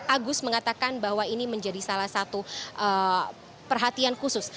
agus mengatakan bahwa ini menjadi salah satu perhatian khusus